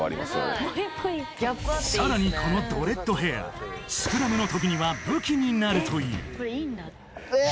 さらにこのドレッドヘアスクラムの時には武器になるといううぇ！